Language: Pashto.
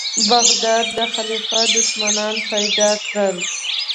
بغداد د خلیفه دښمنان پیدا کړل.